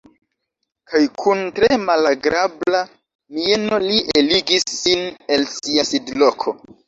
Kaj kun tre malagrabla mieno li eligis sin el sia sidloko.